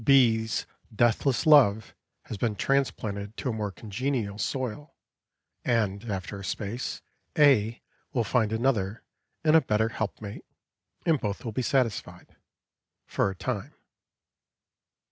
B's deathless love has been transplanted to a more congenial soil, and, after a space, A will find another and a better helpmate, and both will be satisfied, for a time.